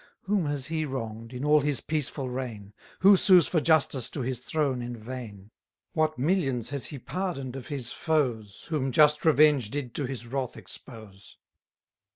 320 Whom has he wrong'd, in all his peaceful reign? Who sues for justice to his throne in vain? What millions has he pardon'd of his foes, Whom just revenge did to his wrath expose!